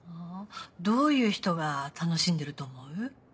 どういう人が楽しんでると思う？